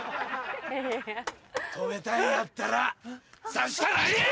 止めたいんやったら刺したらええ！